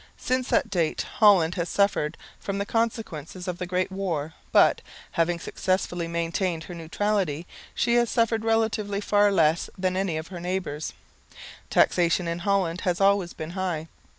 Since that date Holland has suffered from the consequences of the Great War, but, having successfully maintained her neutrality, she has suffered relatively far less than any of her neighbours. Taxation in Holland has always been high.